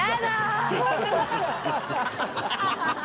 ハハハハ！